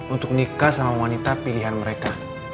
untuk nikah sama wanita pilihan mereka